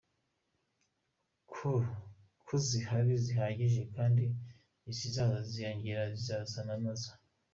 Ko izihari zihagije kandi izizaza ziyongera izarasana nazo.